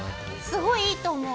すごいいいと思う。